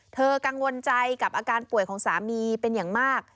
กังวลใจกับอาการป่วยของสามีเป็นอย่างมาก